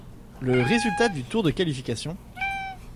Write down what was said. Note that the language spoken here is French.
Le résultat du tour de qualification.